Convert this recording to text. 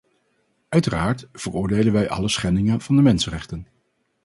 Uiteraard veroordelen wij alle schendingen van de mensenrechten.